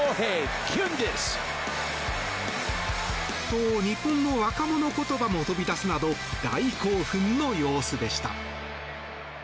と、日本の若者言葉も飛び出すなど大興奮の様子でした。